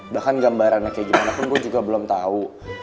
bahkan gambarannya kayak gimana pun gue juga belum tahu